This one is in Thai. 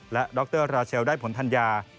และดรราเชลได้ผลธัญญา